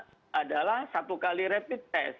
itu adalah satu kali rapid test